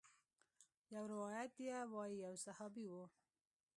يو روايت ديه وايي يو صحابي و.